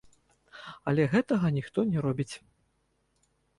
Але гэтага ніхто не робіць.